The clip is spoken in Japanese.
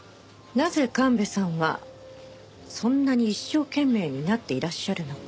なぜ神戸さんはそんなに一生懸命になっていらっしゃるのか。